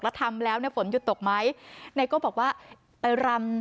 แล้วทำแล้วเนี่ยฝนหยุดตกไหมไนโก้บอกว่าไปรำ